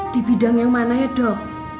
di bidang yang mana ya dok